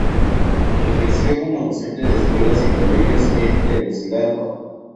Ejerció como docente de escuelas y colegios en Tegucigalpa.